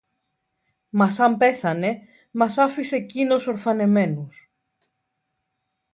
Μα σαν πέθανε, μας άφησε κείνος ορφανεμένους